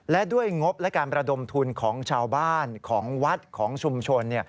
และด้วยงบและการประดมทุนของชาวบ้านของวัดของชุมชน